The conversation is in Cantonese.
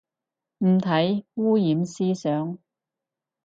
唔睇，污染思想